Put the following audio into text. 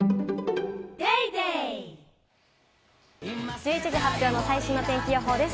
１１時発表の最新の天気予報です。